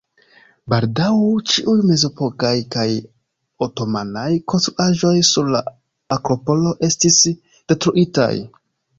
Baldaŭ ĉiuj mezepokaj kaj otomanaj konstruaĵoj sur la Akropolo estis detruitaj.